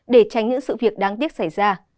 để tránh những sự việc đáng tiếc xảy ra